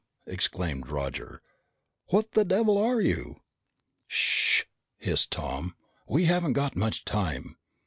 exclaimed Roger. "What the devil are you ?" "Sh!" hissed Tom. "We haven't got much time."